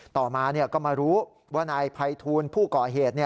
ต่อมาก็มารู้ว่านายภัยทูลผู้ก่อเหตุ